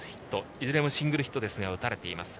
いずれもシングルヒットですが打たれています。